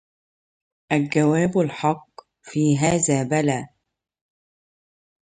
الجواب الحق في هذا بلا